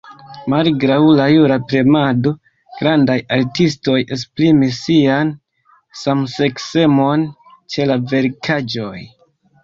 Malgraŭ la jura premado, grandaj artistoj esprimis sian samseksemon ĉe la verkaĵoj.